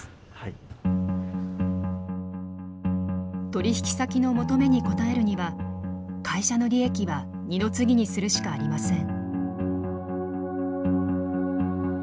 取引先の求めに応えるには会社の利益は二の次にするしかありません。